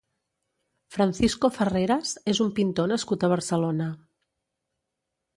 Francisco Farreras és un pintor nascut a Barcelona.